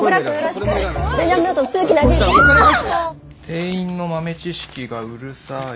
「店員の豆知識がうるさい」。